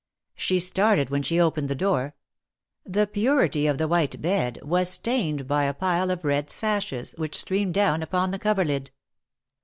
She started when she opened the door. The purity of the white bed was stained by a pile of red sashes which streamed down upon the coverlid.